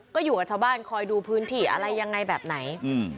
ก็อยู่กับชาวบ้านคอยดูพื้นที่อะไรยังไงแบบไหน